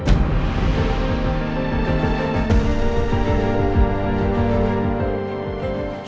membuat diri kamu lebih baik